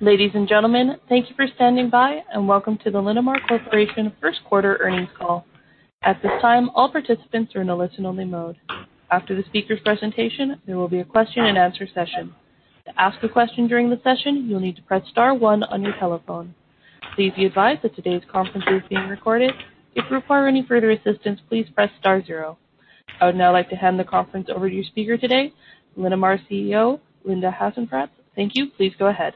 Ladies and gentlemen, thank you for standing by, and welcome to the Linamar Corporation first quarter earnings call. At this time, all participants are in a listen-only mode. After the speaker's presentation, there will be a question and answer session. To ask a question during the session, you'll need to press star one on your telephone. Please be advised that today's conference is being recorded. If you require any further assistance, please press star zero. I would now like to hand the conference over to your speaker today, Linamar CEO, Linda Hasenfratz. Thank you. Please go ahead.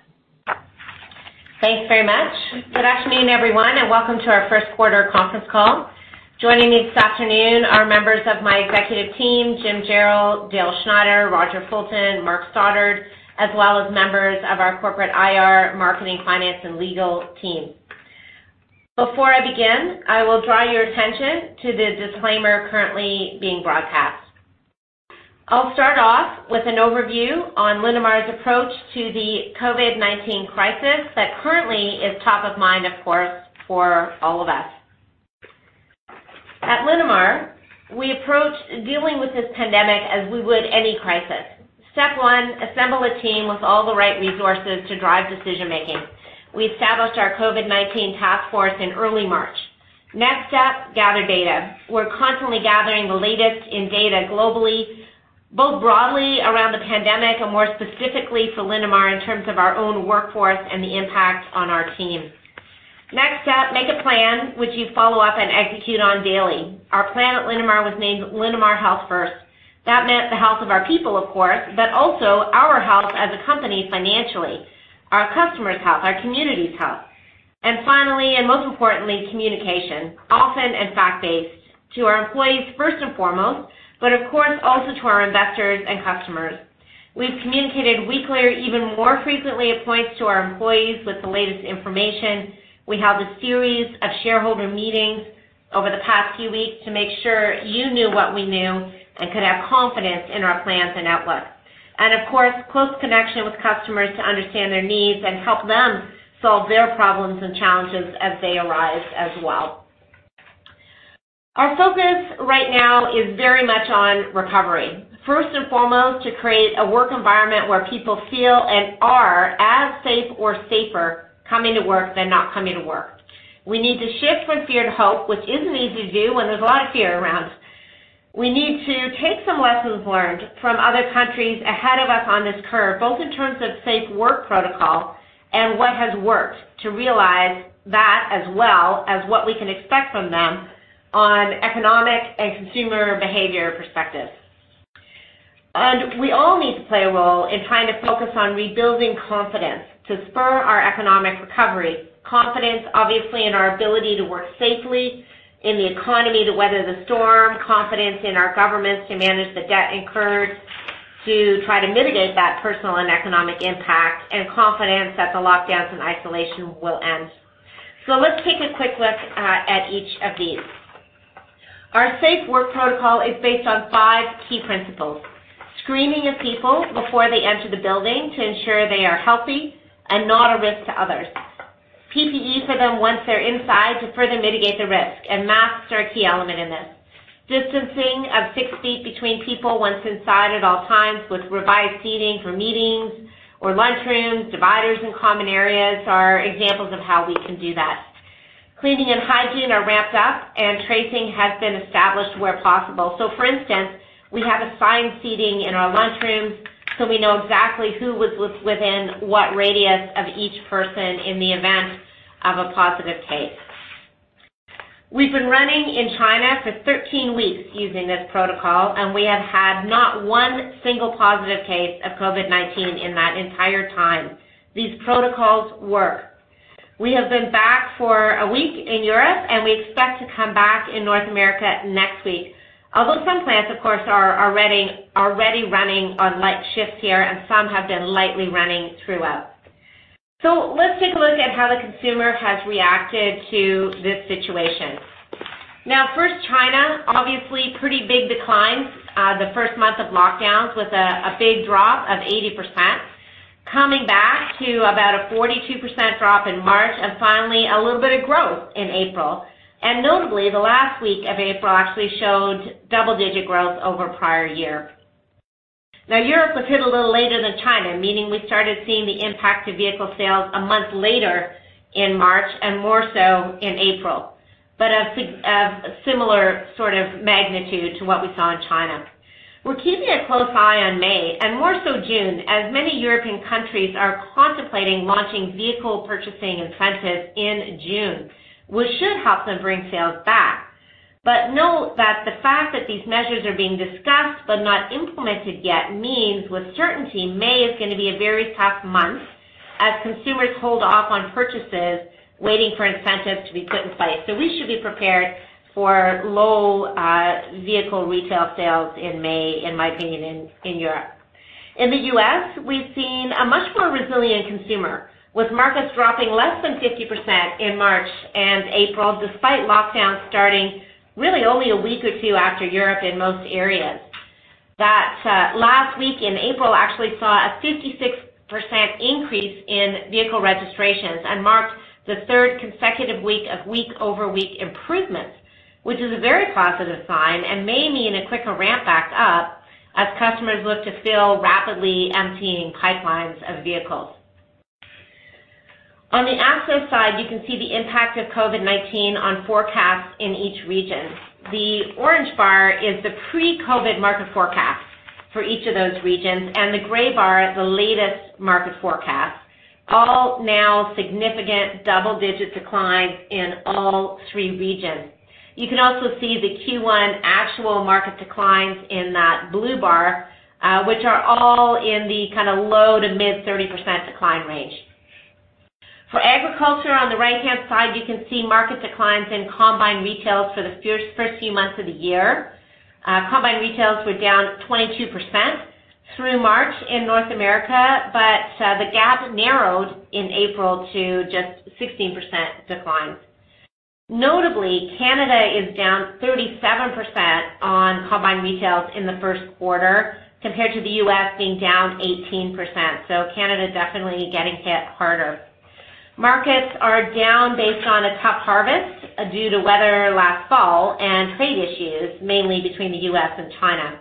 Thanks very much. Good afternoon, everyone, and welcome to our first quarter conference call. Joining me this afternoon are members of my executive team, Jim Jarrell, Dale Schneider, Roger Fulton, Mark Stoddart, as well as members of our corporate IR, marketing, finance, and legal team. Before I begin, I will draw your attention to the disclaimer currently being broadcast. I'll start off with an overview on Linamar's approach to the COVID-19 crisis that currently is top of mind, of course, for all of us. At Linamar, we approach dealing with this pandemic as we would any crisis. Step one, assemble a team with all the right resources to drive decision-making. We established our COVID-19 task force in early March. Next step, gather data. We're constantly gathering the latest in data globally, both broadly around the pandemic and more specifically for Linamar in terms of our own workforce and the impact on our team. Next step, make a plan which you follow up and execute on daily. Our plan at Linamar was named Linamar Health First. That meant the health of our people, of course, but also our health as a company financially, our customers' health, our communities' health. Finally, and most importantly, communication, often and fact-based to our employees first and foremost, but of course, also to our investors and customers. We've communicated weekly or even more frequently at points to our employees with the latest information. We held a series of shareholder meetings over the past few weeks to make sure you knew what we knew and could have confidence in our plans and outlook. Of course, close connection with customers to understand their needs and help them solve their problems and challenges as they arise as well. Our focus right now is very much on recovery. First and foremost, to create a work environment where people feel and are as safe or safer coming to work than not coming to work. We need to shift from fear to hope, which isn't easy to do when there's a lot of fear around. We need to take some lessons learned from other countries ahead of us on this curve, both in terms of safe work protocol and what has worked to realize that as well as what we can expect from them on economic and consumer behavior perspectives. We all need to play a role in trying to focus on rebuilding confidence to spur our economic recovery. Confidence, obviously, in our ability to work safely in the economy, to weather the storm, confidence in our governments to manage the debt incurred, to try to mitigate that personal and economic impact, and confidence that the lockdowns and isolation will end. Let's take a quick look at each of these. Our safe work protocol is based on five key principles. Screening of people before they enter the building to ensure they are healthy and not a risk to others. PPE for them once they're inside to further mitigate the risk, and masks are a key element in this. Distancing of 6 ft between people once inside at all times with revised seating for meetings or lunch rooms, dividers in common areas are examples of how we can do that. Cleaning and hygiene are ramped up, and tracing has been established where possible. For instance, we have assigned seating in our lunch room so we know exactly who was within what radius of each person in the event of a positive case. We've been running in China for 13 weeks using this protocol, and we have had not one single positive case of COVID-19 in that entire time. These protocols work. We have been back for a week in Europe, and we expect to come back in North America next week. Although some plants, of course, are already running on light shifts here, and some have been lightly running throughout. Let's take a look at how the consumer has reacted to this situation. Now, first, China, obviously pretty big declines the first month of lockdowns with a big drop of 80%, coming back to about a 42% drop in March, and finally, a little bit of growth in April. Notably, the last week of April actually showed double-digit growth over prior year. Europe was hit a little later than China, meaning we started seeing the impact to vehicle sales a month later in March and more so in April. Of similar sort of magnitude to what we saw in China. We're keeping a close eye on May and more so June, as many European countries are contemplating launching vehicle purchasing incentives in June, which should help them bring sales back. Note that the fact that these measures are being discussed but not implemented yet means with certainty May is going to be a very tough month as consumers hold off on purchases waiting for incentives to be put in place. We should be prepared for low vehicle retail sales in May, in my opinion, in Europe. In the U.S., we've seen a much more resilient consumer, with markets dropping less than 50% in March and April, despite lockdowns starting really only a week or two after Europe in most areas. That last week in April actually saw a 56% increase in vehicle registrations and marked the third consecutive week of week-over-week improvements, which is a very positive sign and may mean a quicker ramp back up as customers look to fill rapidly emptying pipelines of vehicles. On the access side, you can see the impact of COVID-19 on forecasts in each region. The orange bar is the pre-COVID market forecast for each of those regions. The gray bar is the latest market forecast. All now significant double-digit declines in all three regions. You can also see the Q1 actual market declines in that blue bar, which are all in the low to mid 30% decline range. For agriculture, on the right-hand side, you can see market declines in combine retails for the first few months of the year. Combine retails were down 22% through March in North America, but the gap narrowed in April to just 16% declines. Notably, Canada is down 37% on combine retails in the first quarter compared to the U.S. being down 18%. Canada definitely getting hit harder. Markets are down based on a tough harvest due to weather last fall and trade issues, mainly between the U.S. and China.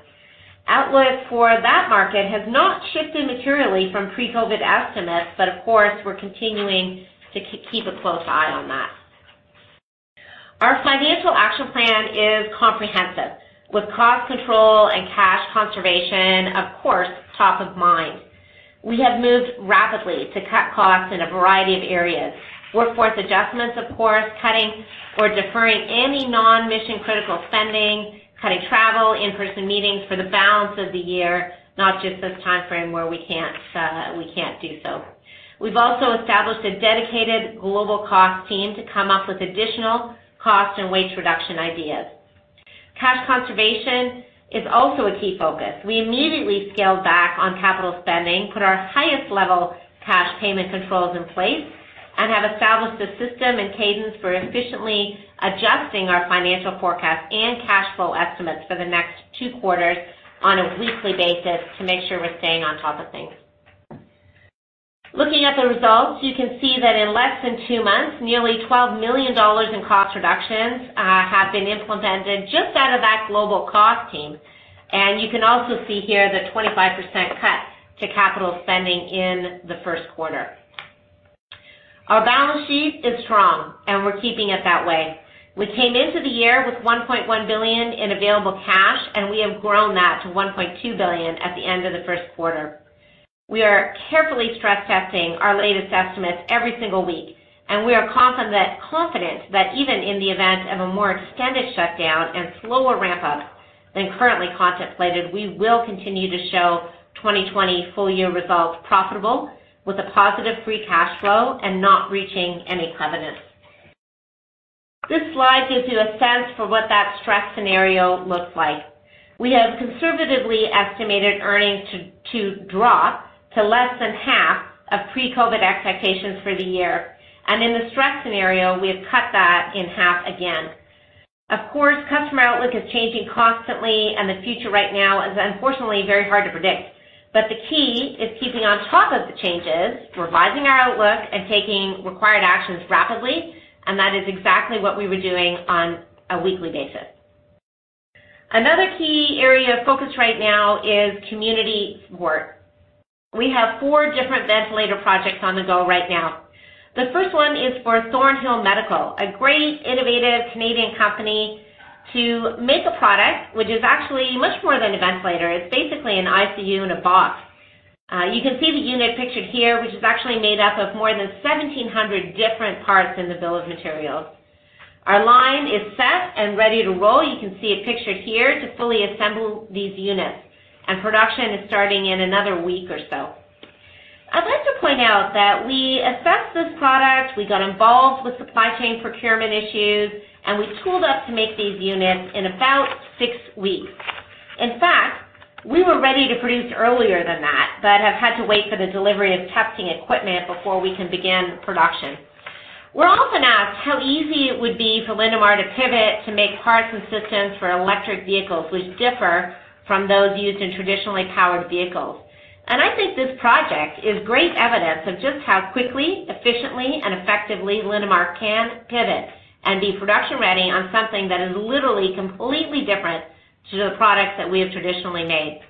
Outlook for that market has not shifted materially from pre-COVID-19 estimates, but of course, we're continuing to keep a close eye on that. Our financial action plan is comprehensive with cost control and cash conservation, of course, top of mind. We have moved rapidly to cut costs in a variety of areas. Workforce adjustments, of course, cutting or deferring any non-mission-critical spending, cutting travel, in-person meetings for the balance of the year, not just this timeframe where we can't do so. We've also established a dedicated global cost team to come up with additional cost and waste reduction ideas. Cash conservation is also a key focus. We immediately scaled back on capital spending, put our highest-level cash payment controls in place, and have established a system and cadence for efficiently adjusting our financial forecast and cash flow estimates for the next two quarters on a weekly basis to make sure we're staying on top of things. Looking at the results, you can see that in less than two months, nearly 12 million dollars in cost reductions have been implemented just out of that global cost team. You can also see here the 25% cut to capital spending in the first quarter. Our balance sheet is strong and we're keeping it that way. We came into the year with 1.1 billion in available cash. We have grown that to 1.2 billion at the end of the first quarter. We are carefully stress testing our latest estimates every single week. We are confident that even in the event of a more extended shutdown and slower ramp-up than currently contemplated, we will continue to show 2020 full-year results profitable with a positive free cash flow and not breaching any covenants. This slide gives you a sense for what that stress scenario looks like. We have conservatively estimated earnings to drop to less than half of pre-COVID expectations for the year. In the stress scenario, we have cut that in half again. Of course, customer outlook is changing constantly. The future right now is unfortunately very hard to predict. The key is keeping on top of the changes, revising our outlook and taking required actions rapidly, and that is exactly what we were doing on a weekly basis. Another key area of focus right now is community support. We have four different ventilator projects on the go right now. The first one is for Thornhill Medical, a great innovative Canadian company to make a product which is actually much more than a ventilator. It's basically an ICU in a box. You can see the unit pictured here, which is actually made up of more than 1,700 different parts in the bill of materials. Our line is set and ready to roll. You can see it pictured here to fully assemble these units, and production is starting in another week or so. I'd like to point out that we assessed this product, we got involved with supply chain procurement issues, and we tooled up to make these units in about six weeks. In fact, we were ready to produce earlier than that, but have had to wait for the delivery of testing equipment before we can begin production. We're often asked how easy it would be for Linamar to pivot to make parts and systems for electric vehicles, which differ from those used in traditionally powered vehicles. I think this project is great evidence of just how quickly, efficiently, and effectively Linamar can pivot and be production-ready on something that is literally completely different to the products that we have traditionally made.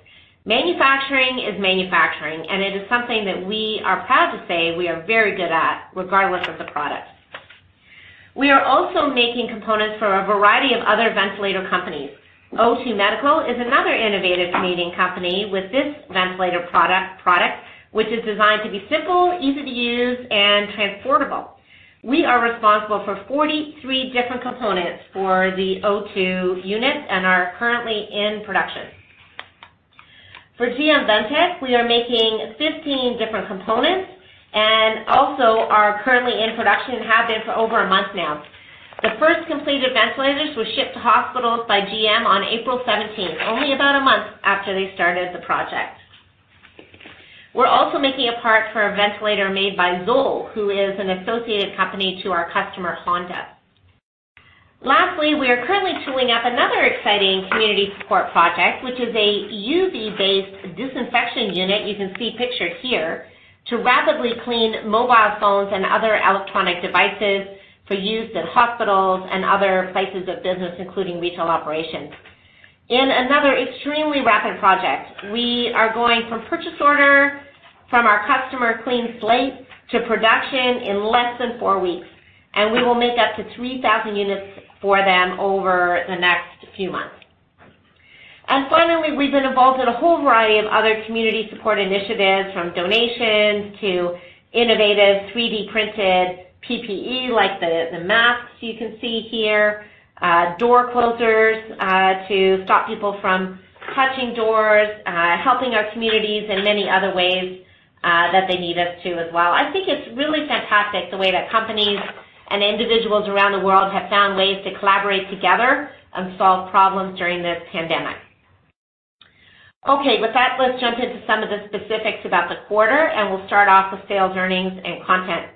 Manufacturing is manufacturing, and it is something that we are proud to say we are very good at, regardless of the product. We are also making components for a variety of other ventilator companies. O-Two Medical is another innovative Canadian company with this ventilator product, which is designed to be simple, easy to use, and transportable. We are responsible for 43 different components for the O-Two unit and are currently in production. For GM Ventec, we are making 15 different components and also are currently in production and have been for over a month now. The first completed ventilators were shipped to hospitals by GM on April 17th, only about a month after they started the project. We're also making a part for a ventilator made by ZOLL, who is an associated company to our customer, Honda. Lastly, we are currently tooling up another exciting community support project, which is a UV-based disinfection unit you can see pictured here to rapidly clean mobile phones and other electronic devices for use in hospitals and other places of business, including retail operations. In another extremely rapid project, we are going from purchase order from our customer CleanSlate UV to production in less than four weeks, and we will make up to 3,000 units for them over the next few months. Finally, we've been involved in a whole variety of other community support initiatives, from donations to innovative 3D-printed PPE, like the masks you can see here, door closers to stop people from touching doors, helping our communities in many other ways that they need us too as well. I think it's really fantastic the way that companies and individuals around the world have found ways to collaborate together and solve problems during this pandemic. Okay, with that, let's jump into some of the specifics about the quarter, and we'll start off with sales, earnings, and content.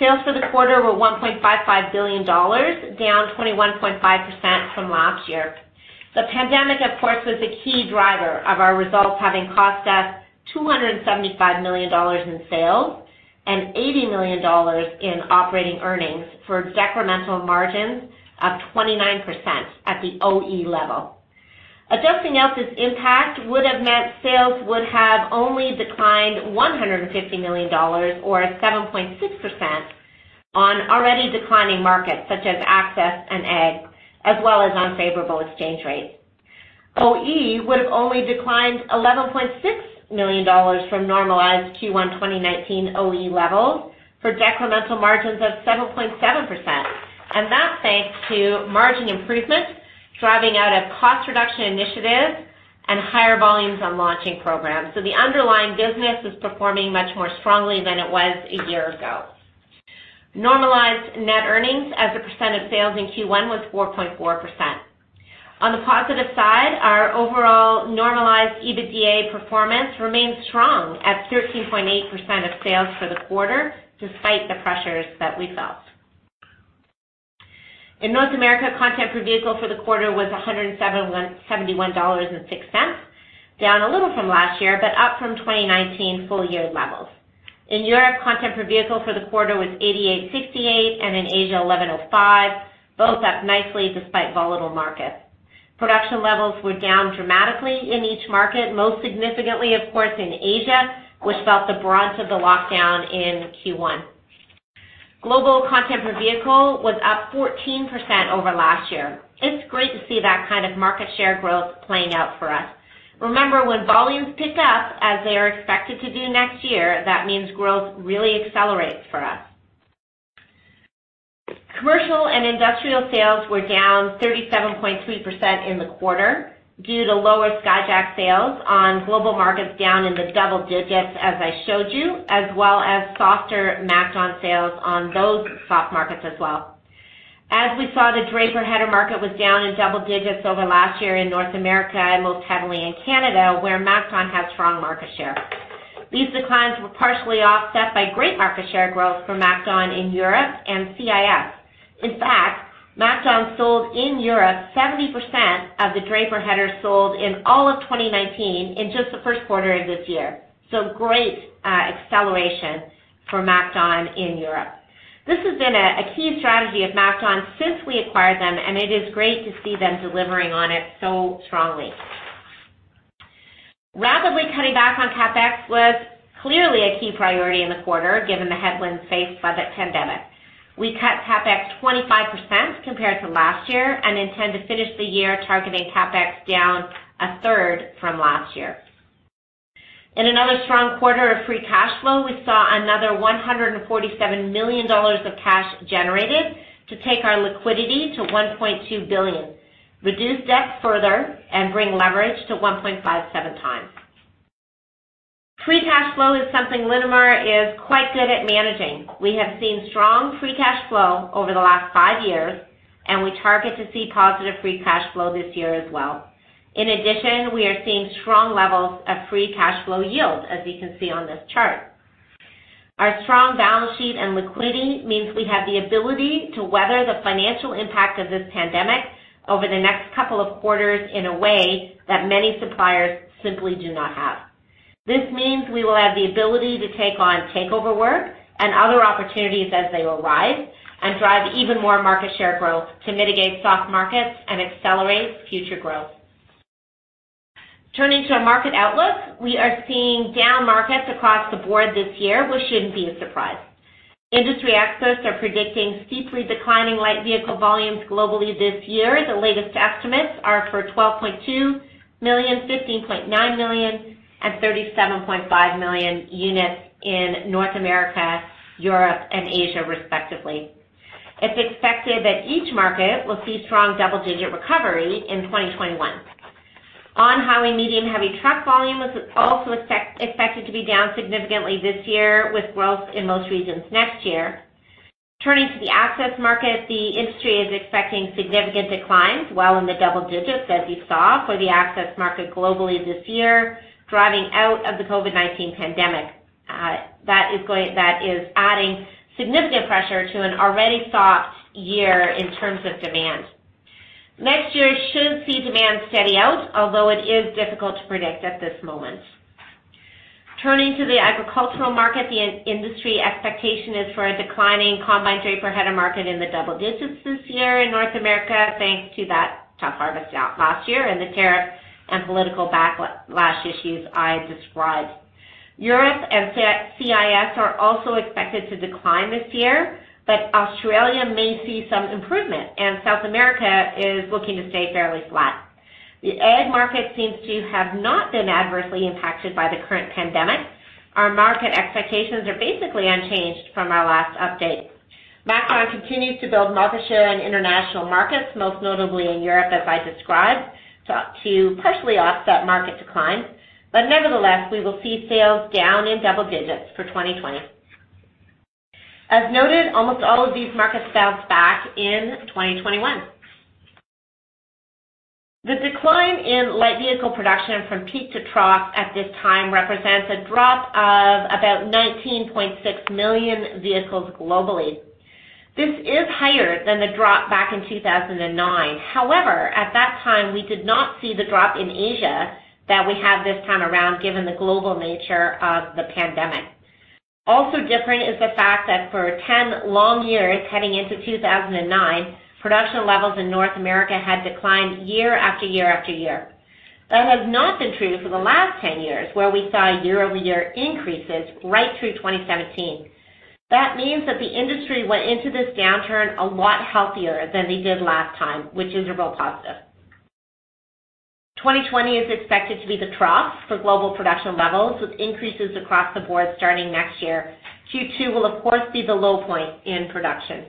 Sales for the quarter were 1.55 billion dollars, down 21.5% from last year. The pandemic, of course, was a key driver of our results, having cost us 275 million dollars in sales and 80 million dollars in operating earnings for decremental margins of 29% at the OE level. Adjusting out this impact would have meant sales would have only declined 150 million dollars, or 7.6%, on already declining markets such as access and ag, as well as unfavorable exchange rates. OE would have only declined 11.6 million dollars from normalized Q1 2019 OE levels for decremental margins of 7.7%. That's thanks to margin improvements driving out of cost reduction initiatives and higher volumes on launching programs. The underlying business is performing much more strongly than it was a year ago. Normalized net earnings as a percent of sales in Q1 was 4.4%. On the positive side, our overall normalized EBITDA performance remains strong at 13.8% of sales for the quarter, despite the pressures that we felt. In North America, content per vehicle for the quarter was 171.06 dollars, down a little from last year, but up from 2019 full-year levels. In Europe, content per vehicle for the quarter was 88.68, and in Asia, 11.05, both up nicely despite volatile markets. Production levels were down dramatically in each market. Most significantly, of course, in Asia, which felt the brunt of the lockdown in Q1. Global content per vehicle was up 14% over last year. It's great to see that kind of market share growth playing out for us. Remember, when volumes pick up, as they are expected to do next year, that means growth really accelerates for us. Commercial and industrial sales were down 37.3% in the quarter due to lower Skyjack sales on global markets, down in the double digits, as I showed you, as well as softer MacDon sales on those soft markets as well. As we saw, the draper header market was down in double digits over last year in North America, most heavily in Canada, where MacDon has strong market share. These declines were partially offset by great market share growth for MacDon in Europe and CIS. In fact, MacDon sold in Europe 70% of the draper headers sold in all of 2019 in just the first quarter of this year. Great acceleration for MacDon in Europe. This has been a key strategy of MacDon since we acquired them, and it is great to see them delivering on it so strongly. Rapidly cutting back on CapEx was clearly a key priority in the quarter given the headwinds faced by the pandemic. We cut CapEx 25% compared to last year and intend to finish the year targeting CapEx down a third from last year. In another strong quarter of free cash flow, we saw another 147 million dollars of cash generated to take our liquidity to 1.2 billion, reduce debt further, and bring leverage to 1.57x. Free cash flow is something Linamar is quite good at managing. We have seen strong free cash flow over the last five years, and we target to see positive free cash flow this year as well. In addition, we are seeing strong levels of free cash flow yield, as you can see on this chart. Our strong balance sheet and liquidity means we have the ability to weather the financial impact of this pandemic over the next couple of quarters in a way that many suppliers simply do not have. This means we will have the ability to take on takeover work and other opportunities as they arise and drive even more market share growth to mitigate soft markets and accelerate future growth. Turning to our market outlook, we are seeing down markets across the board this year, which shouldn't be a surprise. Industry experts are predicting steeply declining light vehicle volumes globally this year. The latest estimates are for 12.2 million, 15.9 million, and 37.5 million units in North America, Europe, and Asia respectively. It's expected that each market will see strong double-digit recovery in 2021. On highway medium heavy truck volumes, it's also expected to be down significantly this year, with growth in most regions next year. Turning to the access market, the industry is expecting significant declines well in the double digits, as you saw, for the access market globally this year, driving out of the COVID-19 pandemic. That is adding significant pressure to an already soft year in terms of demand. Next year should see demand steady out, although it is difficult to predict at this moment. Turning to the agricultural market, the industry expectation is for a declining combine draper header market in the double digits this year in North America, thanks to that tough harvest out last year and the tariffs and political backlash issues I described. Europe and CIS are also expected to decline this year, but Australia may see some improvement, and South America is looking to stay fairly flat. The ag market seems to have not been adversely impacted by the current pandemic. Our market expectations are basically unchanged from our last update. MacDon continues to build market share in international markets, most notably in Europe, as I described, to partially offset market decline. Nevertheless, we will see sales down in double digits for 2020. As noted, almost all of these markets bounce back in 2021. The decline in light vehicle production from peak to trough at this time represents a drop of about 19.6 million vehicles globally. This is higher than the drop back in 2009. However, at that time, we did not see the drop in Asia that we have this time around, given the global nature of the pandemic. Also different is the fact that for 10 long years heading into 2009, production levels in North America had declined year, after year, after year. That has not been true for the last 10 years, where we saw year-over-year increases right through 2017. That means that the industry went into this downturn a lot healthier than they did last time, which is a real positive. 2020 is expected to be the trough for global production levels, with increases across the board starting next year. Q2 will, of course, be the low point in production.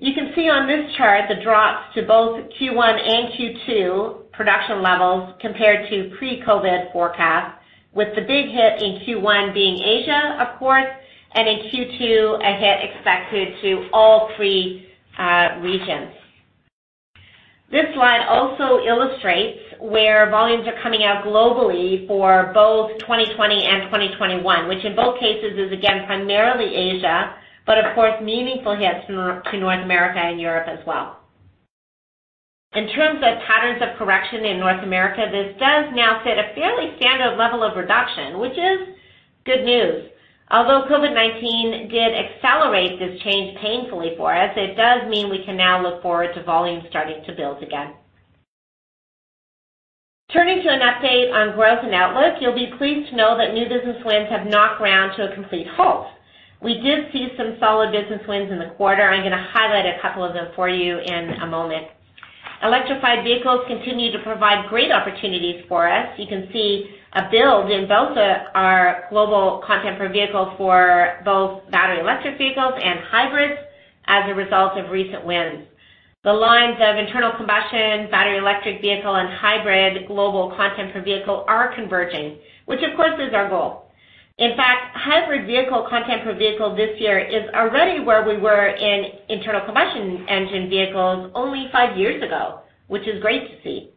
You can see on this chart the drops to both Q1 and Q2 production levels compared to pre-COVID-19 forecasts, with the big hit in Q1 being Asia, of course, and in Q2, a hit expected to all three regions. This slide also illustrates where volumes are coming out globally for both 2020 and 2021, which in both cases is again primarily Asia, but of course meaningful hits to North America and Europe as well. In terms of patterns of correction in North America, this does now sit a fairly standard level of reduction, which is good news. Although COVID-19 did accelerate this change painfully for us, it does mean we can now look forward to volumes starting to build again. Turning to an update on growth and outlook, you'll be pleased to know that new business wins have not ground to a complete halt. We did see some solid business wins in the quarter. I'm going to highlight a couple of them for you in a moment. Electrified vehicles continue to provide great opportunities for us. You can see a build in both our global content per vehicle for both battery electric vehicles and hybrids as a result of recent wins. The lines of internal combustion, battery electric vehicle, and hybrid global content per vehicle are converging, which of course is our goal. In fact, hybrid vehicle content per vehicle this year is already where we were in internal combustion engine vehicles only five years ago, which is great to see.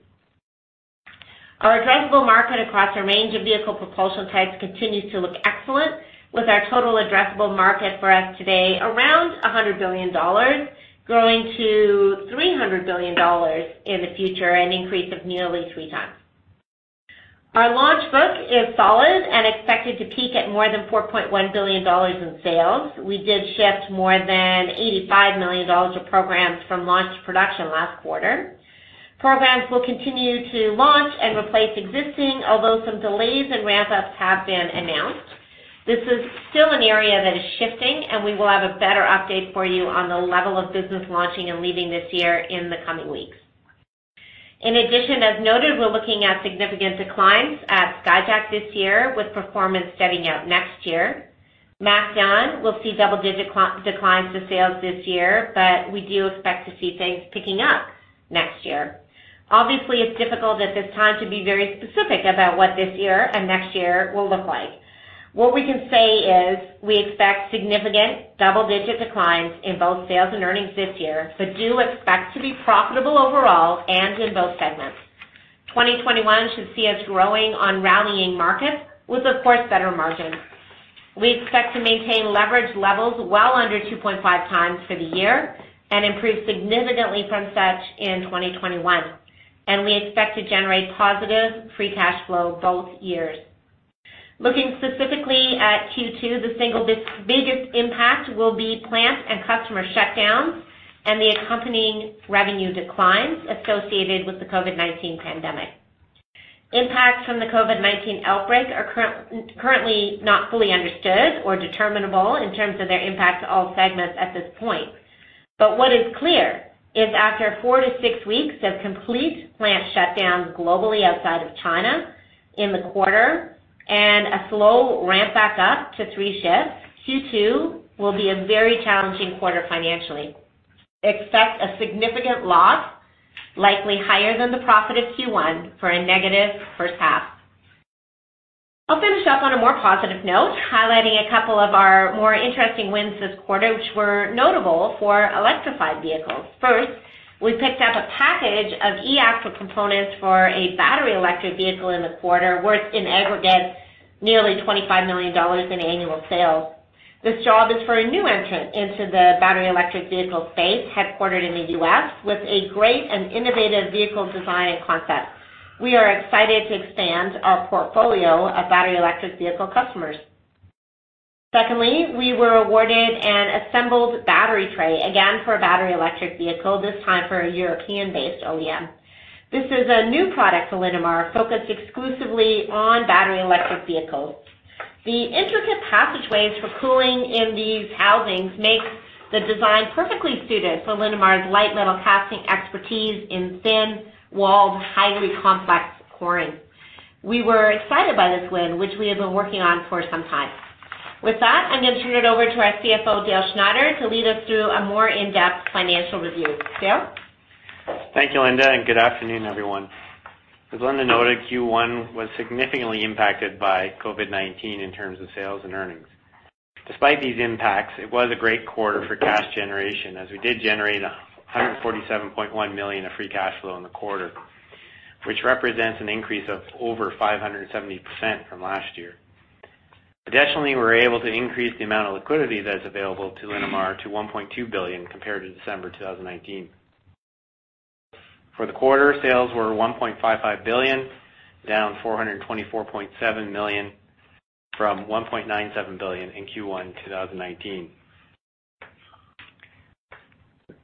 Our addressable market across a range of vehicle propulsion types continues to look excellent, with our total addressable market for us today around 100 billion dollars, growing to 300 billion dollars in the future, an increase of nearly three times. Our launch book is solid and expected to peak at more than 4.1 billion dollars in sales. We did shift more than 85 million dollars of programs from launch to production last quarter. Programs will continue to launch and replace existing, although some delays in ramp-ups have been announced. This is still an area that is shifting, and we will have a better update for you on the level of business launching and leaving this year in the coming weeks. In addition, as noted, we're looking at significant declines at Skyjack this year, with performance steadying out next year. MacDon will see double-digit declines in sales this year, but we do expect to see things picking up next year. Obviously, it's difficult at this time to be very specific about what this year and next year will look like. What we can say is we expect significant double-digit declines in both sales and earnings this year, but do expect to be profitable overall and in both segments. 2021 should see us growing on rallying markets with, of course, better margins. We expect to maintain leverage levels well under 2.5x for the year and improve significantly from such in 2021. We expect to generate positive free cash flow both years. Looking specifically at Q2, the single biggest impact will be plant and customer shutdowns and the accompanying revenue declines associated with the COVID-19 pandemic. Impacts from the COVID-19 outbreak are currently not fully understood or determinable in terms of their impact to all segments at this point. What is clear is after four to six weeks of complete plant shutdowns globally outside of China in the quarter and a slow ramp back up to three shifts, Q2 will be a very challenging quarter financially. Expect a significant loss, likely higher than the profit of Q1, for a negative first half. I'll finish up on a more positive note, highlighting a couple of our more interesting wins this quarter, which were notable for electrified vehicles. First, we picked up a package of e-axle components for a battery electric vehicle in the quarter worth, in aggregate, nearly 25 million dollars in annual sales. This job is for a new entrant into the battery electric vehicle space headquartered in the U.S. with a great and innovative vehicle design and concept. We are excited to expand our portfolio of battery electric vehicle customers. Secondly, we were awarded an assembled battery tray, again, for a battery electric vehicle, this time for a European-based OEM. This is a new product for Linamar, focused exclusively on battery electric vehicles. The intricate passageways for cooling in these housings makes the design perfectly suited for Linamar's light metal casting expertise in thin-walled, highly complex pouring. We were excited by this win, which we have been working on for some time. With that, I'm going to turn it over to our CFO, Dale Schneider, to lead us through a more in-depth financial review. Dale? Thank you, Linda, and good afternoon, everyone. As Linda noted, Q1 was significantly impacted by COVID-19 in terms of sales and earnings. Despite these impacts, it was a great quarter for cash generation, as we did generate 147.1 million of free cash flow in the quarter, which represents an increase of over 570% from last year. Additionally, we were able to increase the amount of liquidity that is available to Linamar to 1.2 billion compared to December 2019. For the quarter, sales were 1.55 billion, down 424.7 million from 1.97 billion in Q1 2019.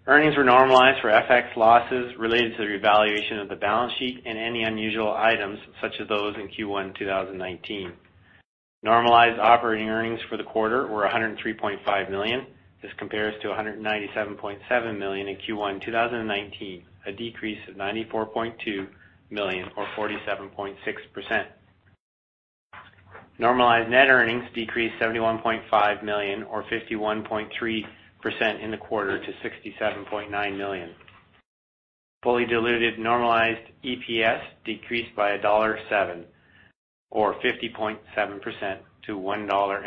Earnings were normalized for FX losses related to the revaluation of the balance sheet and any unusual items, such as those in Q1 2019. Normalized operating earnings for the quarter were 103.5 million. This compares to 197.7 million in Q1 2019, a decrease of 94.2 million, or 47.6%. Normalized net earnings decreased 71.5 million, or 51.3%, in the quarter to 67.9 million. Fully diluted normalized EPS decreased by dollar 1.07, or 50.7%, to 1.04 dollar.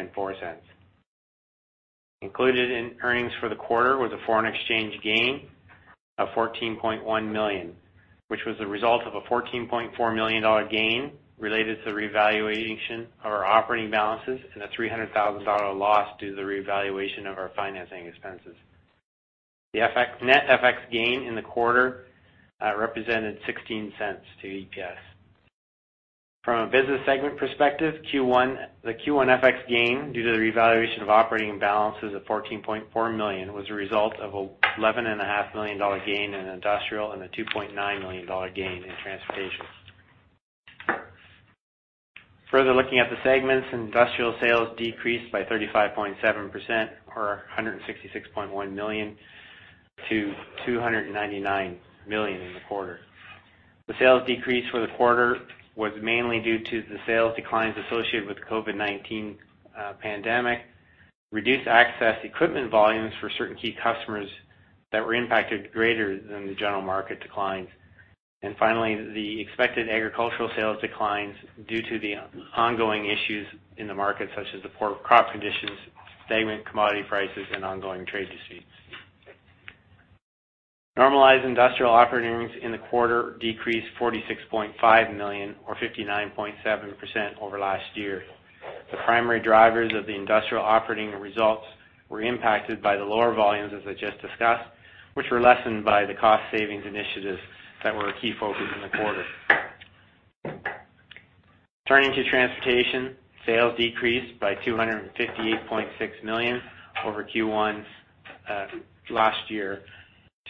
Included in earnings for the quarter was a foreign exchange gain of 14.1 million, which was the result of a 14.4 million dollar gain related to the revaluation of our operating balances and a 300,000 dollar loss due to the revaluation of our financing expenses. The net FX gain in the quarter represented 0.16 to EPS. From a business segment perspective, the Q1 FX gain due to the revaluation of operating balances of 14.4 million was a result of a 11.5 million dollar gain in Industrial and a 2.9 million dollar gain in Transportation. Further looking at the segments, Industrial sales decreased by 35.7%, or 166.1 million to 299 million in the quarter. The sales decrease for the quarter was mainly due to the sales declines associated with the COVID-19 pandemic, reduced access equipment volumes for certain key customers that were impacted greater than the general market declines, and finally, the expected agricultural sales declines due to the ongoing issues in the market, such as the poor crop conditions, stagnant commodity prices, and ongoing trade disputes. Normalized Industrial operating earnings in the quarter decreased 46.5 million, or 59.7%, over last year. The primary drivers of the Industrial operating results were impacted by the lower volumes, as I just discussed, which were lessened by the cost savings initiatives that were a key focus in the quarter. Turning to Transportation, sales decreased by 258.6 million over Q1 last year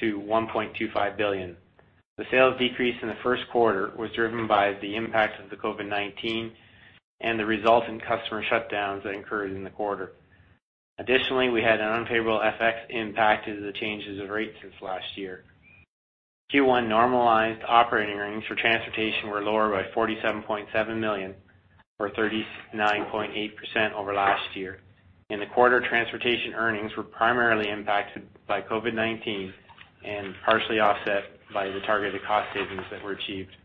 to 1.25 billion. The sales decrease in the first quarter was driven by the impacts of the COVID-19 and the resulting customer shutdowns that occurred in the quarter. Additionally, we had an unfavorable FX impact due to the changes of rates since last year. Q1 normalized operating earnings for Transportation were lower by 47.7 million, or 39.8%, over last year. In the quarter, Transportation earnings were primarily impacted by COVID-19 and partially offset by the targeted cost savings that were achieved.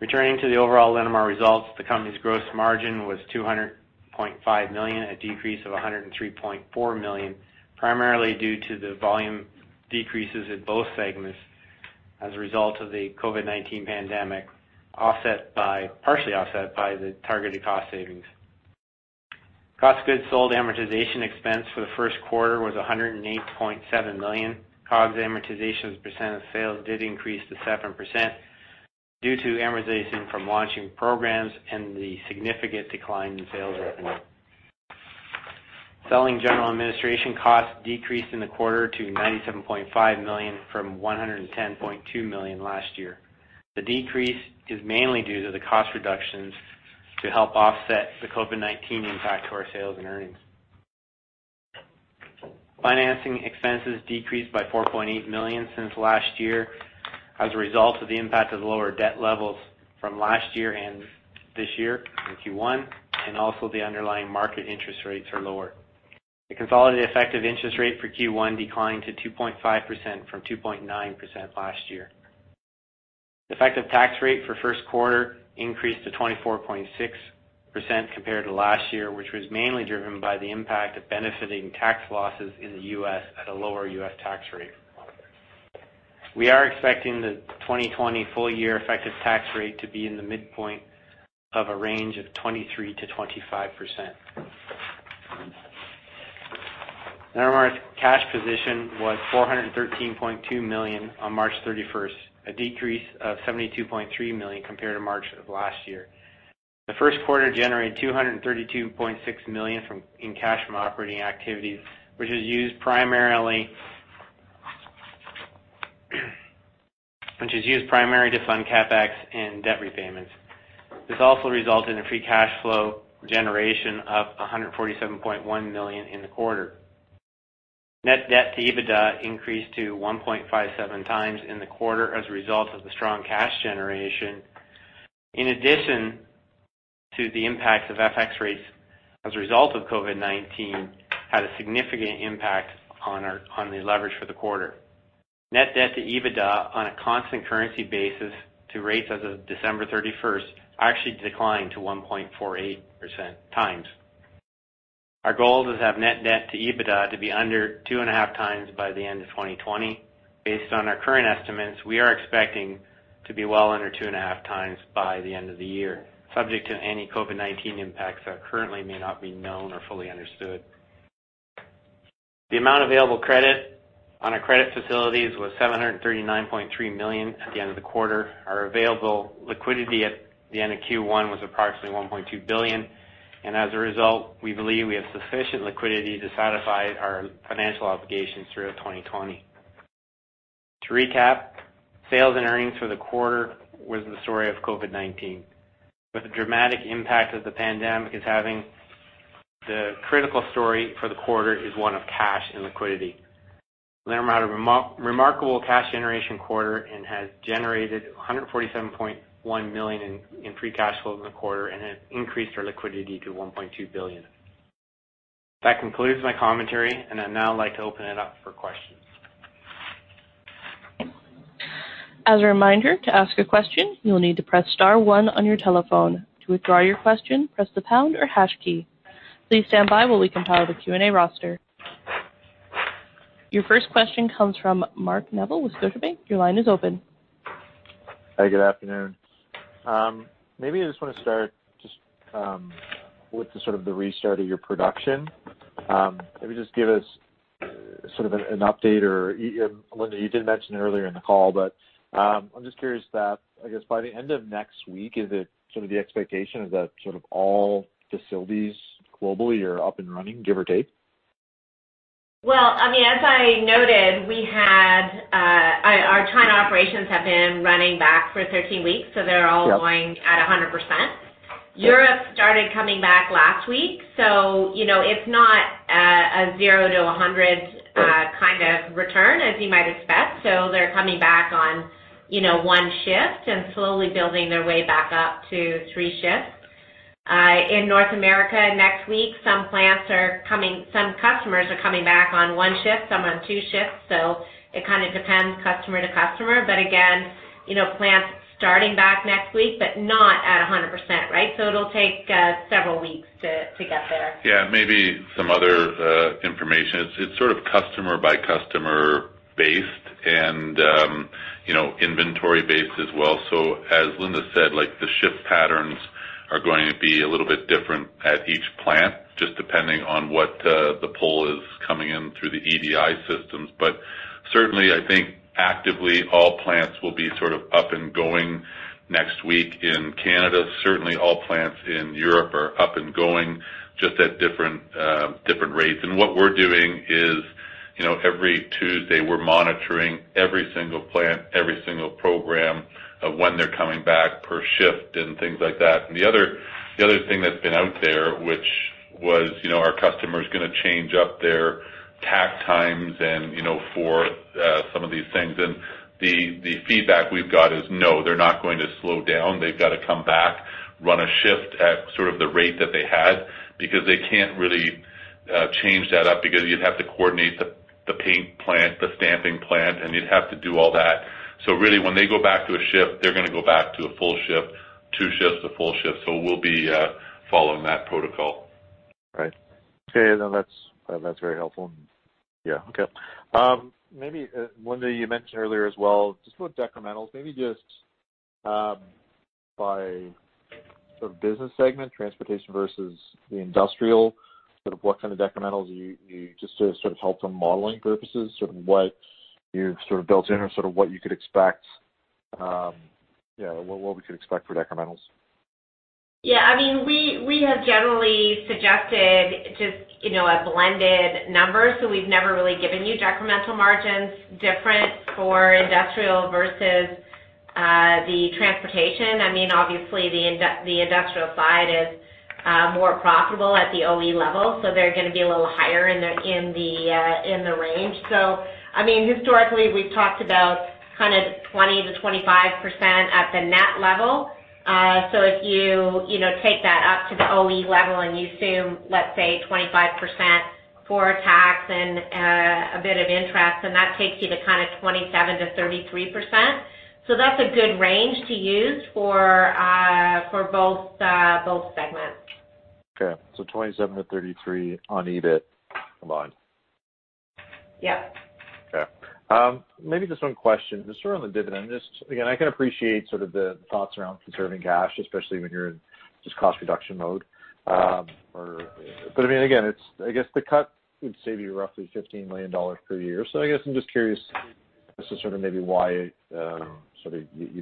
Returning to the overall Linamar results, the company's gross margin was 200.5 million, a decrease of 103.4 million, primarily due to the volume decreases in both segments as a result of the COVID-19 pandemic, partially offset by the targeted cost savings. Cost of goods sold amortization expense for the first quarter was 108.7 million. COGS amortization as a percent of sales did increase to 7% due to amortization from launching programs and the significant decline in sales revenue. Selling, general, and administration costs decreased in the quarter to 97.5 million from 110.2 million last year. The decrease is mainly due to the cost reductions to help offset the COVID-19 impact to our sales and earnings. Financing expenses decreased by 4.8 million since last year as a result of the impact of lower debt levels from last year and this year in Q1, and also the underlying market interest rates are lower. The consolidated effective interest rate for Q1 declined to 2.5% from 2.9% last year. The effective tax rate for the first quarter increased to 24.6% compared to last year, which was mainly driven by the impact of benefiting tax losses in the U.S. at a lower U.S. tax rate. We are expecting the 2020 full-year effective tax rate to be in the midpoint of a range of 23%-25%. Linamar's cash position was 413.2 million on March 31st, a decrease of 72.3 million compared to March of last year. The first quarter generated 232.6 million in cash from operating activities, which is used primarily to fund CapEx and debt repayments. This also resulted in free cash flow generation of 147.1 million in the quarter. Net debt to EBITDA increased to 1.57x in the quarter as a result of the strong cash generation. In addition to the impact of FX rates as a result of COVID-19, had a significant impact on the leverage for the quarter. Net debt to EBITDA on a constant currency basis to rates as of December 31st actually declined to 1.48x. Our goal is to have net debt to EBITDA to be under 2.5x by the end of 2020. Based on our current estimates, we are expecting to be well under 2.5x by the end of the year, subject to any COVID-19 impacts that currently may not be known or fully understood. The amount of available credit on our credit facilities was 739.3 million at the end of the quarter. Our available liquidity at the end of Q1 was approximately 1.2 billion, and as a result, we believe we have sufficient liquidity to satisfy our financial obligations through 2020. To recap, sales and earnings for the quarter was the story of COVID-19. With the dramatic impact that the pandemic is having, the critical story for the quarter is one of cash and liquidity. Linamar had a remarkable cash generation quarter and has generated 147.1 million in free cash flow in the quarter and has increased our liquidity to 1.2 billion. That concludes my commentary, and I'd now like to open it up for questions. As a reminder, to ask a question, you will need to press star one on your telephone. To withdraw your question, press the pound or hash key. Please stand by while we compile the Q&A roster. Your first question comes from Mark Neville with Scotiabank. Your line is open. Hi, good afternoon. Maybe I just want to start just with the sort of the restart of your production. Maybe just give us sort of an update, or Linda, you did mention earlier in the call, but I'm just curious that, I guess by the end of next week, is it sort of the expectation is that sort of all facilities globally are up and running, give or take? Well, as I noted, our China operations have been running back for 13 weeks, they're all- Yeah. Going at 100%. Europe started coming back last week, it's not a zero to 100 kind of return as you might expect. They're coming back on one shift and slowly building their way back up to three shifts. In North America next week, some customers are coming back on one shift, some on two shifts. It kind of depends customer to customer. Again, plants starting back next week, but not at 100%, right? It'll take several weeks to get there. Yeah, maybe some other information. It's sort of customer by customer based and inventory based as well. As Linda said, the shift patterns are going to be a little bit different at each plant, just depending on what the pull is coming in through the EDI systems. Certainly, I think actively all plants will be sort of up and going next week in Canada. Certainly, all plants in Europe are up and going, just at different rates. What we're doing is every Tuesday, we're monitoring every single plant, every single program of when they're coming back per shift and things like that. The other thing that's been out there, which was our customers going to change up their takt times and for some of these things. The feedback we've got is, "No, they're not going to slow down." They've got to come back, run a shift at sort of the rate that they had because they can't really change that up because you'd have to coordinate the paint plant, the stamping plant, and you'd have to do all that. Really, when they go back to a shift, they're going to go back to a full shift, two shifts to full shift. We'll be following that protocol. Right. Okay, that's very helpful. Yeah. Okay. Maybe, Linda, you mentioned earlier as well, just about decrementals, maybe just by sort of business segment, Transportation versus the Industrial, sort of what kind of decrementals you just to sort of help from modeling purposes, sort of what you've sort of built in or sort of what you could expect, what we could expect for decrementals? Yeah, we have generally suggested just a blended number. We've never really given you decremental margins different for industrial versus the transportation. Obviously, the industrial side is more profitable at the OE level, so they're going to be a little higher in the range. Historically we've talked about kind of 20%-25% at the net level. If you take that up to the OE level and you assume, let's say 25% for tax and a bit of interest, then that takes you to kind of 27%-33%. That's a good range to use for both segments. Okay. 27%-33% on EBIT margin. Yep. Okay. Maybe just one question. Just around the dividend. Again, I can appreciate sort of the thoughts around conserving cash, especially when you're in just cost reduction mode. Again, I guess the cut would save you roughly 15 million dollars per year. I guess I'm just curious as to sort of maybe why you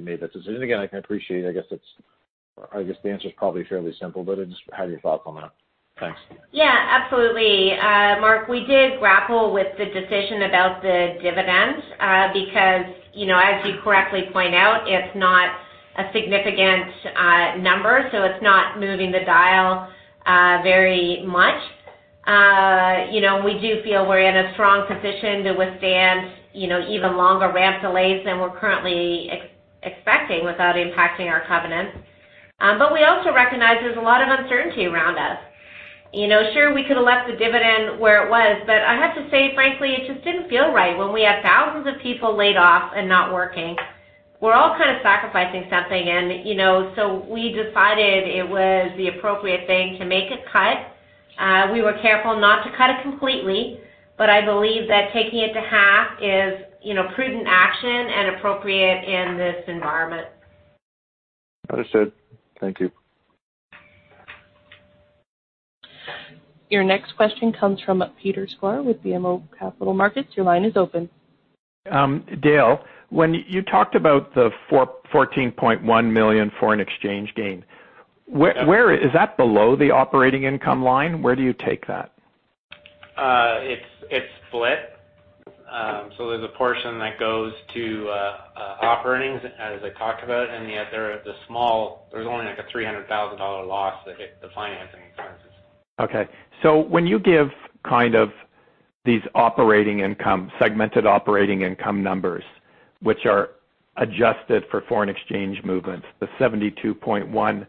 made that decision. Again, I can appreciate it. I guess the answer's probably fairly simple, but just have your thoughts on that. Thanks. Yeah, absolutely. Mark, we did grapple with the decision about the dividend, because as you correctly point out, it's not a significant number, it's not moving the dial very much. We do feel we're in a strong position to withstand even longer ramp delays than we're currently expecting without impacting our covenants. We also recognize there's a lot of uncertainty around us. We could have left the dividend where it was, I have to say, frankly, it just didn't feel right when we have thousands of people laid off and not working. We're all kind of sacrificing something, we decided it was the appropriate thing to make a cut. We were careful not to cut it completely, I believe that taking it to half is prudent action and appropriate in this environment. Understood. Thank you. Your next question comes from Peter Sklar with BMO Capital Markets. Your line is open. Dale, when you talked about the 14.1 million foreign exchange gain. Yeah. Is that below the operating income line? Where do you take that? It's split. There's a portion that goes to op earnings, as I talked about, and the other, the small, there's only like a 300,000 dollar loss that hit the financing expenses. When you give kind of these segmented operating income numbers, which are adjusted for foreign exchange movements, the 72.1 million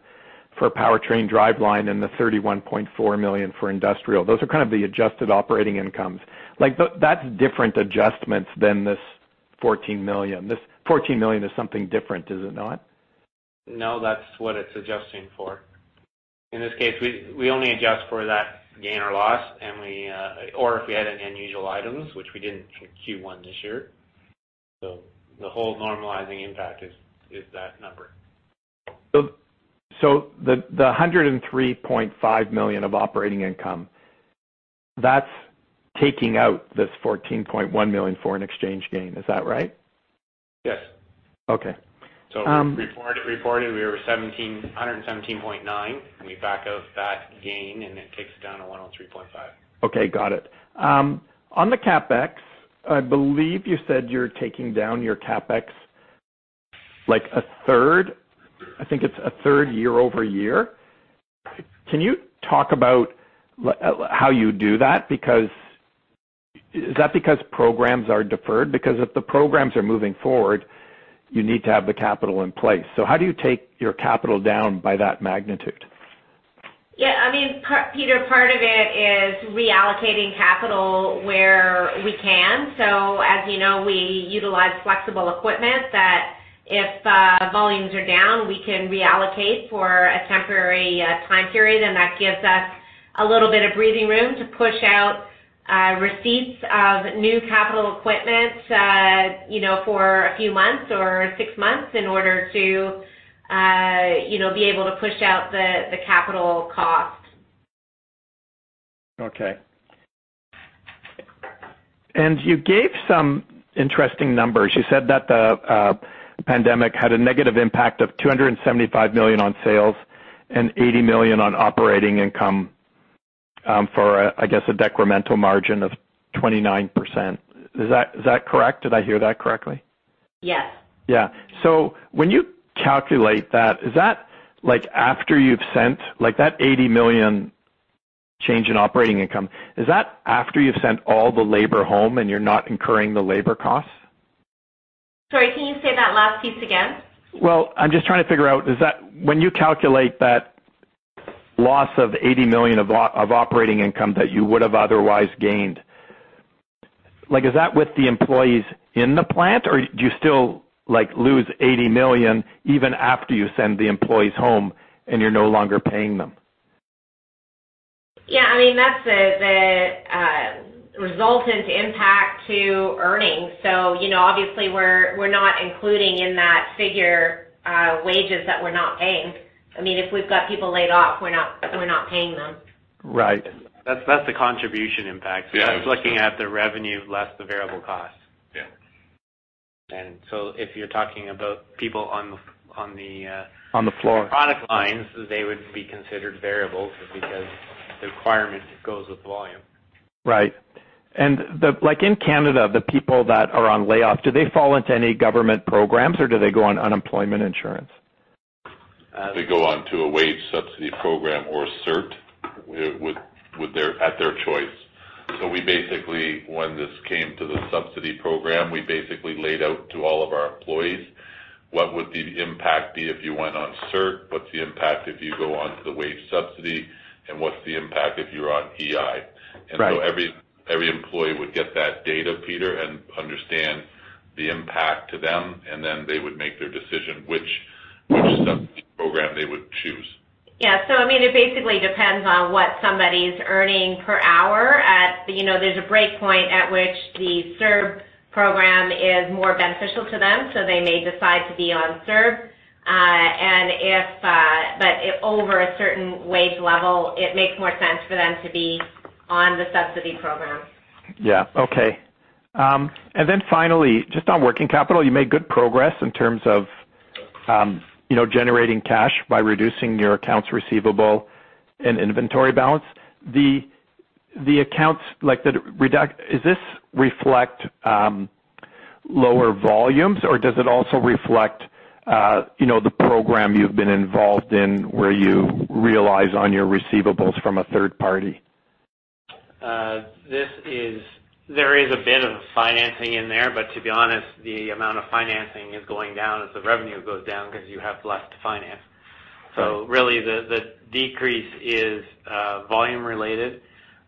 for Powertrain Driveline and the 31.4 million for Industrial, those are kind of the adjusted operating incomes. That's different adjustments than this 14 million. This 14 million is something different, is it not? No, that's what it's adjusting for. In this case, we only adjust for that gain or loss or if we had any unusual items, which we didn't in Q1 this year. The whole normalizing impact is that number. The 103.5 million of operating income, that's taking out this 14.1 million foreign exchange gain, is that right? Yes. Okay. Reported, we were 117.9 million, and we back out that gain and it takes it down to 103.5 million. Okay, got it. On the CapEx, I believe you said you're taking down your CapEx, like a third. I think it's a third year-over-year. Can you talk about how you do that? Is that because programs are deferred? Because if the programs are moving forward, you need to have the capital in place. How do you take your capital down by that magnitude? Yeah, Peter, part of it is reallocating capital where we can. As you know, we utilize flexible equipment that if volumes are down, we can reallocate for a temporary time period, and that gives us a little bit of breathing room to push out receipts of new capital equipment for a few months or six months in order to be able to push out the capital cost. Okay. You gave some interesting numbers. You said that the pandemic had a negative impact of 275 million on sales and 80 million on operating income, for I guess a decremental margin of 29%. Is that correct? Did I hear that correctly? Yes. When you calculate that, like that 80 million change in operating income, is that after you've sent all the labor home and you're not incurring the labor costs? Sorry, can you say that last piece again? Well, I'm just trying to figure out, when you calculate that loss of 80 million of operating income that you would have otherwise gained, is that with the employees in the plant or do you still lose 80 million even after you send the employees home and you're no longer paying them? Yeah, that's the resultant impact to earnings. Obviously we're not including in that figure wages that we're not paying. If we've got people laid off, we're not paying them. Right. That's the contribution impact. Yeah. It's looking at the revenue less the variable cost. Yeah. If you're talking about people on the floor. Product lines, they would be considered variables because the requirement goes with volume. Right. In Canada, the people that are on layoff, do they fall into any government programs or do they go on unemployment insurance? They go onto a wage subsidy program or CERB at their choice. When this came to the subsidy program, we basically laid out to all of our employees what would the impact be if you went on CERB, what's the impact if you go onto the wage subsidy, and what's the impact if you're on EI. Right. Every employee would get that data, Peter, and understand the impact to them, and then they would make their decision which subsidy program they would choose. It basically depends on what somebody's earning per hour. There's a break point at which the CERB program is more beneficial to them, so they may decide to be on CERB. Over a certain wage level, it makes more sense for them to be on the subsidy program. Yeah. Okay. Finally, just on working capital, you made good progress in terms of generating cash by reducing your accounts receivable and inventory balance. Does this reflect lower volumes, or does it also reflect the program you've been involved in where you realize on your receivables from a third party? There is a bit of financing in there. To be honest, the amount of financing is going down as the revenue goes down because you have less to finance. Right. Really, the decrease is volume related,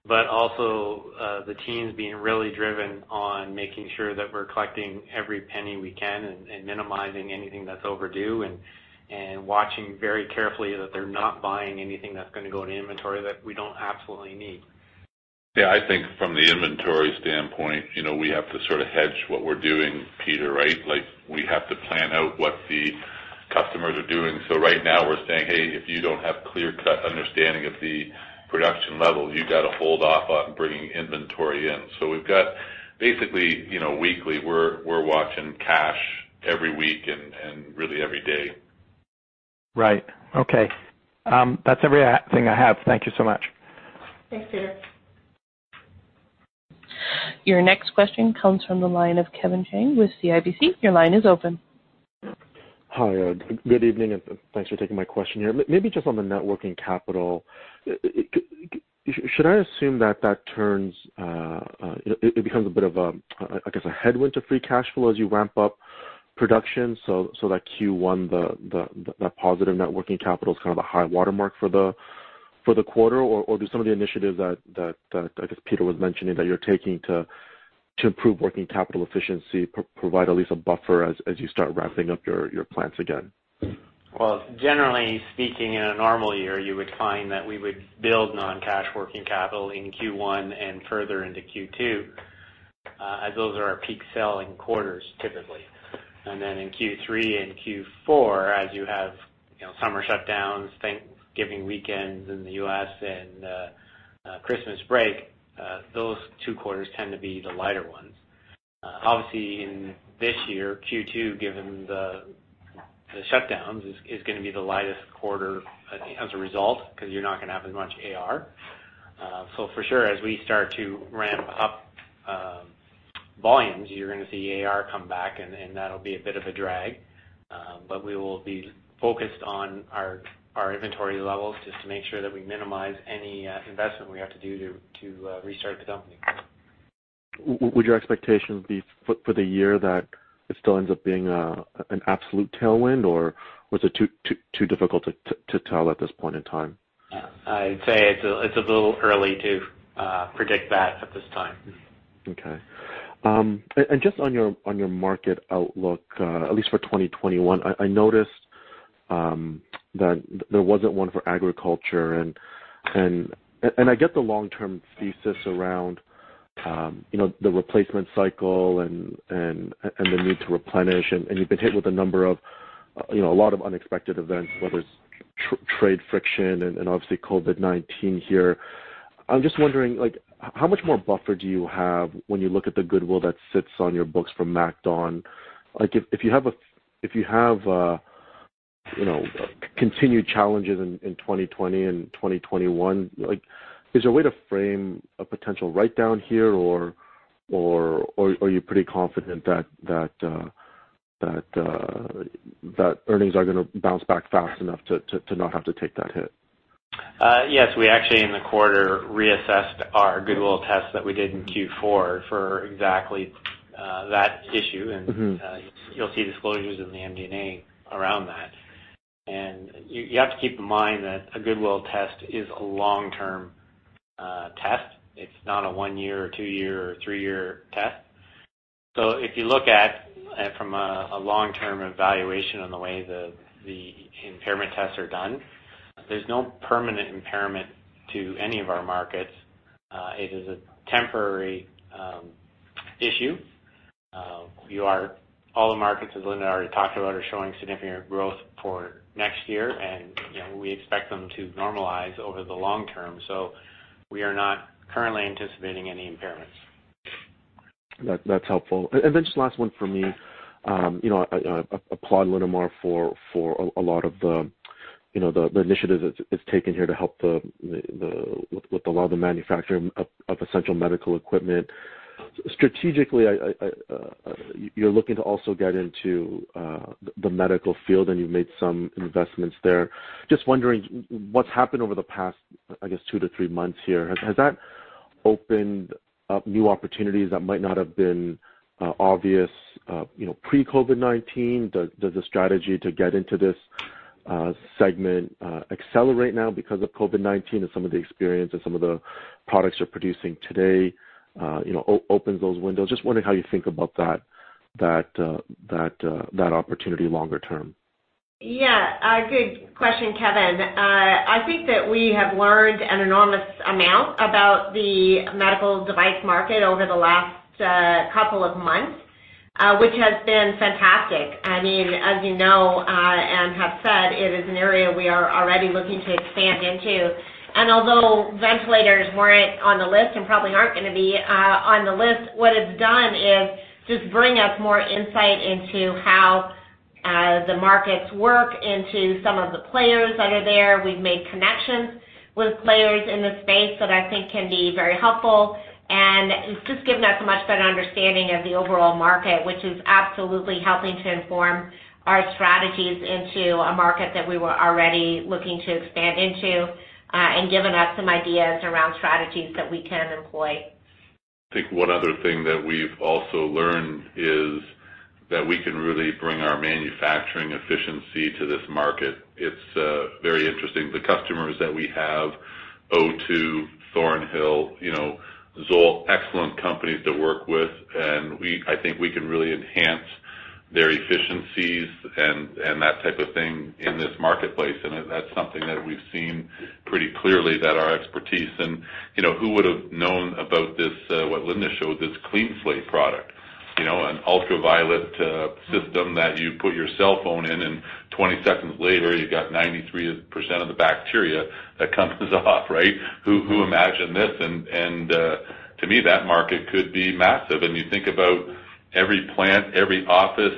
but also the teams being really driven on making sure that we're collecting every penny we can and minimizing anything that's overdue and watching very carefully that they're not buying anything that's going to go in inventory that we don't absolutely need. I think from the inventory standpoint, we have to sort of hedge what we're doing, Peter, right? We have to plan out what the customers are doing. Right now we're saying, "Hey, if you don't have clear-cut understanding of the production level, you got to hold off on bringing inventory in." Basically, weekly, we're watching cash every week and really every day. Right. Okay. That's everything I have. Thank you so much. Thanks, Peter. Your next question comes from the line of Kevin Chiang with CIBC. Your line is open. Hi. Good evening, and thanks for taking my question here. Maybe just on the net working capital. Should I assume that it becomes a bit of a headwind to free cash flow as you ramp up production, so that Q1, that positive net working capital is kind of a high watermark for the quarter? Or do some of the initiatives that, I guess, Peter was mentioning, that you're taking to improve working capital efficiency provide at least a buffer as you start ramping up your plants again? Well, generally speaking, in a normal year, you would find that we would build non-cash working capital in Q1 and further into Q2, as those are our peak selling quarters, typically. Then in Q3 and Q4, as you have summer shutdowns, Thanksgiving weekends in the U.S., and Christmas break, those two quarters tend to be the lighter ones. Obviously, in this year, Q2, given the shutdowns, is going to be the lightest quarter as a result, because you're not going to have as much AR. For sure, as we start to ramp up volumes, you're going to see AR come back, and that'll be a bit of a drag. We will be focused on our inventory levels just to make sure that we minimize any investment we have to do to restart the company. Would your expectation be for the year that it still ends up being an absolute tailwind, or was it too difficult to tell at this point in time? I'd say it's a little early to predict that at this time. Okay. Just on your market outlook, at least for 2021, I noticed that there wasn't one for agriculture. I get the long-term thesis around the replacement cycle and the need to replenish. You've been hit with a lot of unexpected events, whether it's trade friction and obviously COVID-19 here. I'm just wondering, how much more buffer do you have when you look at the goodwill that sits on your books from MacDon? If you have continued challenges in 2020 and 2021, is there a way to frame a potential write-down here, or are you pretty confident that earnings are going to bounce back fast enough to not have to take that hit? Yes. We actually, in the quarter, reassessed our goodwill test that we did in Q4 for exactly that issue. You'll see disclosures in the MD&A around that. You have to keep in mind that a goodwill test is a long-term test. It's not a one-year or two-year or three-year test. If you look at it from a long-term evaluation on the way the impairment tests are done, there's no permanent impairment to any of our markets. It is a temporary issue. All the markets, as Linda already talked about, are showing significant growth for next year, and we expect them to normalize over the long term. We are not currently anticipating any impairments. That's helpful. Just last one for me. I applaud Linamar for a lot of the initiatives it's taken here to help with a lot of the manufacturing of essential medical equipment. Strategically, you're looking to also get into the medical field, and you've made some investments there. Just wondering what's happened over the past, I guess, two to three months here. Has that opened up new opportunities that might not have been obvious pre-COVID-19? Does the strategy to get into this segment accelerate now because of COVID-19 and some of the experience and some of the products you're producing today opens those windows? Just wondering how you think about that opportunity longer term? Yeah. Good question, Kevin. I think that we have learned an enormous amount about the medical device market over the last couple of months, which has been fantastic. As you know, and have said, it is an area we are already looking to expand into. Although ventilators weren't on the list and probably aren't going to be on the list, what it's done is just bring us more insight into how the markets work, into some of the players that are there. We've made connections with players in the space that I think can be very helpful, and it's just given us a much better understanding of the overall market, which is absolutely helping to inform our strategies into a market that we were already looking to expand into, and given us some ideas around strategies that we can employ. I think one other thing that we've also learned is that we can really bring our manufacturing efficiency to this market. It's very interesting. The customers that we have, O-Two, Thornhill, ZOLL, excellent companies to work with, and I think we can really enhance their efficiencies and that type of thing in this marketplace. That's something that we've seen pretty clearly that our expertise. Who would've known about this, what Linda showed, this CleanSlate product? An ultraviolet system that you put your cell phone in and 20 seconds later you got 93% of the bacteria that comes off, right? Who imagined this? To me, that market could be massive. You think about every plant, every office,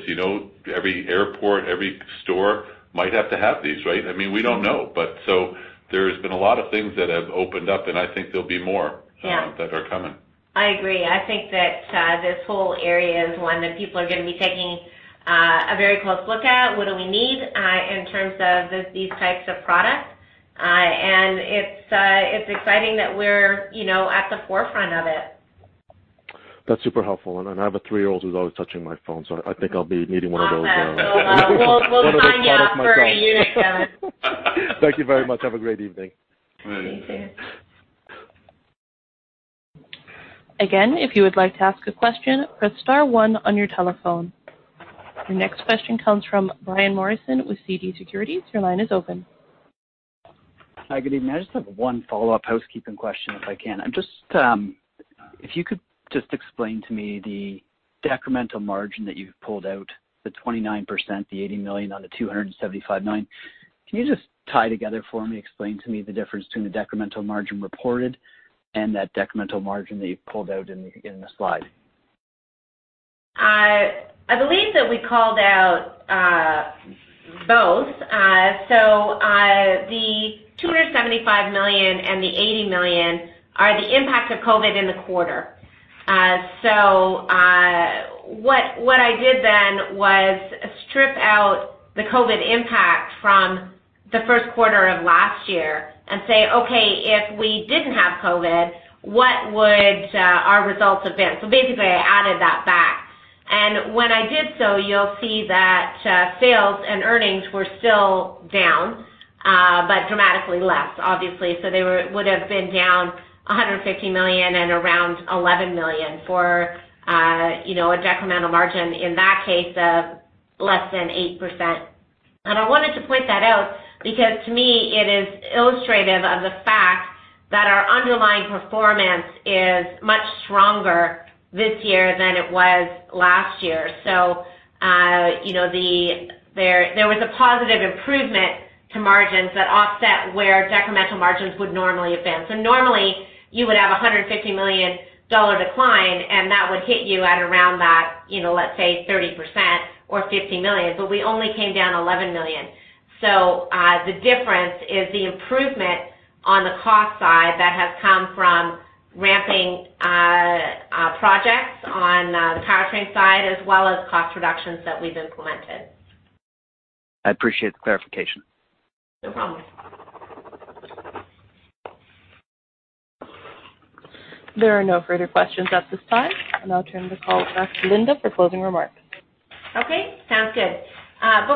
every airport, every store might have to have these, right? We don't know. There's been a lot of things that have opened up, and I think there'll be more- Yeah. That are coming. I agree. I think that this whole area is one that people are going to be taking a very close look at. What do we need in terms of these types of products? It's exciting that we're at the forefront of it. That's super helpful. I have a three-year-old who's always touching my phone, so I think I'll be needing one of those. Awesome. One of those products for myself. We'll sign you up for a unit, Kevin. Thank you very much. Have a great evening. All right. You too. Again, if you would like to ask a question, press star one on your telephone. Your next question comes from Brian Morrison with TD Securities. Your line is open. Hi, good evening. I just have one follow-up housekeeping question if I can. If you could just explain to me the decremental margin that you've pulled out, the 29%, the 80 million on the 275 million. Can you just tie together for me, explain to me the difference between the decremental margin reported and that decremental margin that you pulled out in the slide? I believe that we called out both. The 275 million and the 80 million are the impact of COVID-19 in the quarter. What I did then was strip out the COVID-19 impact from the first quarter of last year and say, "Okay, if we didn't have COVID-19, what would our results have been?" Basically, I added that back. When I did so, you'll see that sales and earnings were still down, but dramatically less, obviously. They would've been down 150 million and around 11 million for a decremental margin in that case of less than 8%. I wanted to point that out because to me it is illustrative of the fact that our underlying performance is much stronger this year than it was last year. There was a positive improvement to margins that offset where decremental margins would normally have been. Normally you would have a 150 million dollar decline, and that would hit you at around that, let's say 30% or 50 million, but we only came down 11 million. The difference is the improvement on the cost side that has come from ramping projects on the powertrain side as well as cost reductions that we've implemented. I appreciate the clarification. No problem. There are no further questions at this time, and I'll turn the call back to Linda for closing remarks. Okay, sounds good.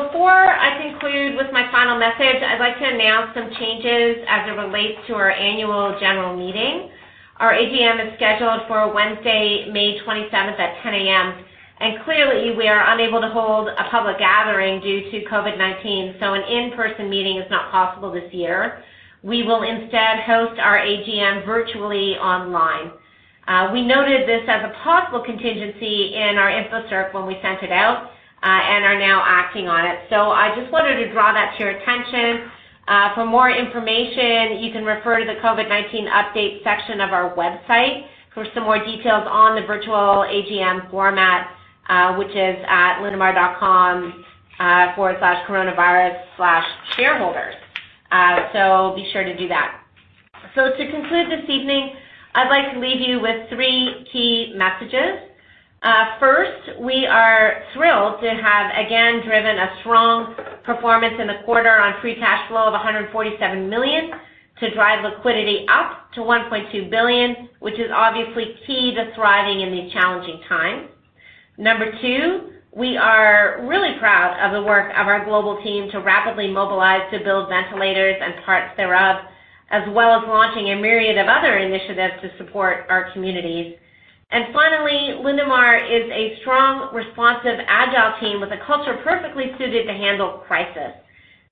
Before I conclude with my final message, I'd like to announce some changes as it relates to our annual general meeting. Our AGM is scheduled for Wednesday, May 27th at 10:00 A.M., clearly we are unable to hold a public gathering due to COVID-19, so an in-person meeting is not possible this year. We will instead host our AGM virtually online. We noted this as a possible contingency in our info circ when we sent it out, and are now acting on it. I just wanted to draw that to your attention. For more information, you can refer to the COVID-19 update section of our website for some more details on the virtual AGM format, which is at linamar.com/coronavirus/shareholders. Be sure to do that. To conclude this evening, I'd like to leave you with three key messages. First, we are thrilled to have, again, driven a strong performance in the quarter on free cash flow of 147 million to drive liquidity up to 1.2 billion, which is obviously key to thriving in these challenging times. Number two, we are really proud of the work of our global team to rapidly mobilize to build ventilators and parts thereof, as well as launching a myriad of other initiatives to support our communities. Finally, Linamar is a strong, responsive, agile team with a culture perfectly suited to handle crisis.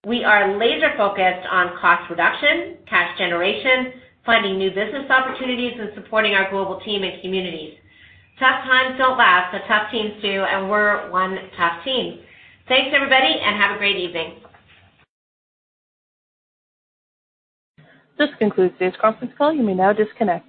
We are laser-focused on cost reduction, cash generation, finding new business opportunities, and supporting our global team and communities. Tough times don't last, but tough teams do, and we're one tough team. Thanks everybody, and have a great evening. This concludes today's conference call. You may now disconnect.